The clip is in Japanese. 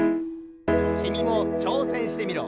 きみもちょうせんしてみろ。